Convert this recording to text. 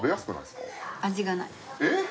えっ？